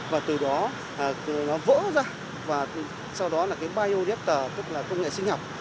và từ đó nó vỡ ra và sau đó là cái bioreactor tức là công nghệ sinh học